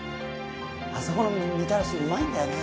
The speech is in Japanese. あそこのみたらしうまいんだよね